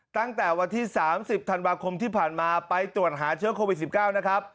ตั้งแต่วันที่๓๐ธันวาคมที่ผ่านมาไปตรวจหาเชื้อโควิด๑๙นะครับ